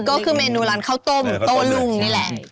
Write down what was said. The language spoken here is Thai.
ก็คือเมนูร้านข้าวต้มโต้ลุงนี่แหละ